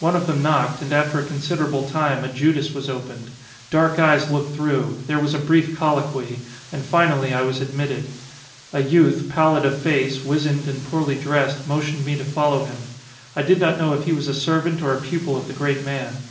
One of them knocked, and after a considerable time a judas was opened; dark eyes looked through; there was a brief colloquy; and finally I was admitted. A youth, pallid of face, wizened, and poorly dressed, motioned me to follow him. I did not know if he was a servant or a pupil of the great man.